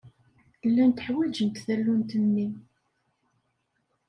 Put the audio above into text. Llant ḥwaǧent tallunt-nni.